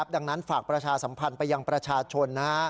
ดังนั้นฝากประชาสัมผัสไปให้ประชาชน